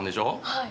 はい。